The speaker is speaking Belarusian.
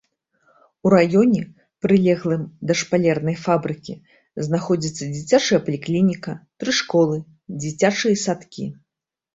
У раёне, прылеглым да шпалернай фабрыкі, знаходзяцца дзіцячая паліклініка, тры школы, дзіцячыя садкі.